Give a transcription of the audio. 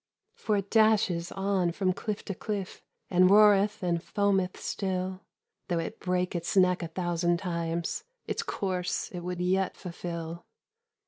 "For it dashes on from cliff to cliff, And roareth and foameth still. Though it break its neck a thousand times, Its course it would yet fulfill.